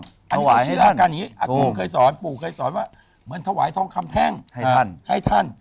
อันนี้เขาเชื่อกันอย่างนี้อากุ้งเคยสอนปู่เคยสอนว่าเหมือนถวายทองคำแท่งให้ท่าน